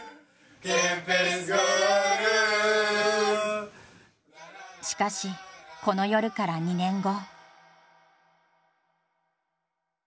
ケンペスゴールしかしこの夜から２年後。